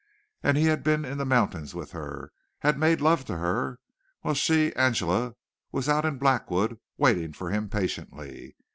And he had been in the mountains with her had made love to her while she, Angela, was out in Blackwood waiting for him patiently.